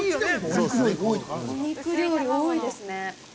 ◆お肉料理、多いですね。